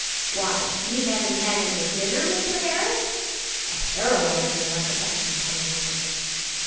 "Why, you haven't had any dinner, Mr. Harris?" a paralyzing recollection coming over him.